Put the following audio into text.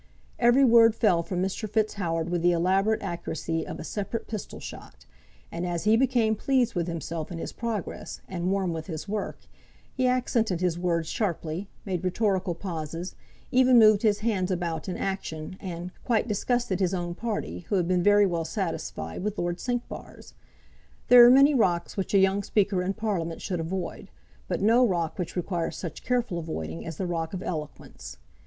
Every word fell from Mr. Fitzhoward with the elaborate accuracy of a separate pistol shot; and as he became pleased with himself in his progress, and warm with his work, he accented his words sharply, made rhetorical pauses, even moved his hands about in action, and quite disgusted his own party, who had been very well satisfied with Lord Cinquebars. There are many rocks which a young speaker in Parliament should avoid, but no rock which requires such careful avoiding as the rock of eloquence.